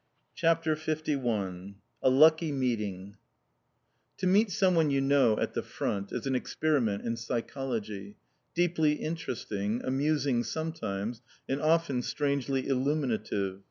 CHAPTER LI A LUCKY MEETING To meet some one you know at the Front is an experiment in psychology, deeply interesting, amusing sometimes, and often strangely illuminative.